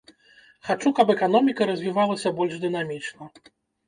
Хачу, каб эканоміка развівалася больш дынамічна.